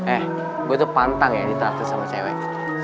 eh gue tuh pantang ya ditraktir sama cewek